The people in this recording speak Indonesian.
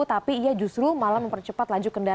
tapi ia justru malah mempercepat